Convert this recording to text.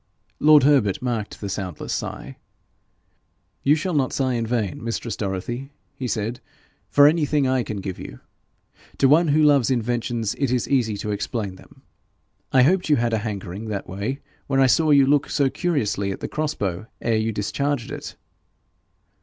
Lord Herbert marked the soundless sigh. 'You shall not sigh in vain, mistress Dorothy,' he said, 'for anything I can give you. To one who loves inventions it is easy to explain them. I hoped you had a hankering that way when I saw you look so curiously at the cross bow ere you discharged it.'